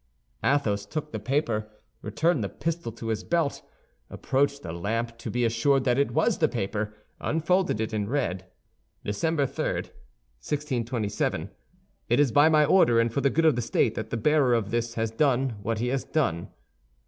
Athos took the paper, returned the pistol to his belt, approached the lamp to be assured that it was the paper, unfolded it, and read: "Dec. 3, 1627 "It is by my order and for the good of the state that the bearer of this has done what he has done.